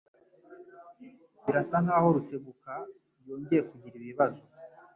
Birasa nkaho Rutebuka yongeye kugira ibibazo.